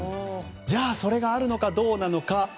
じゃあ、それがあるのかどうか。